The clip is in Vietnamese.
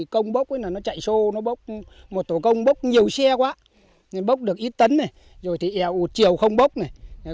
công bốc nó chạy xô một tổ công bốc nhiều xe quá bốc được ít tấn này rồi thì chiều không bốc này